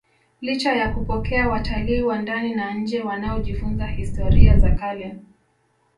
Licha ya kupokea watalii wa ndani na nje wanaojifunza historia za kale